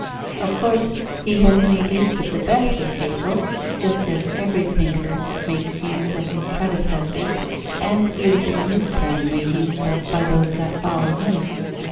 Of course he has made use of the best of Hegel, just as every thinker makes use of his predecessors and is in his turn made use of by those that follow him.